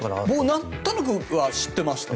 なんとなくは知ってました。